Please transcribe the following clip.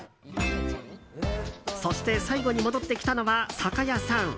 そして最後に戻ってきたのは酒屋さん。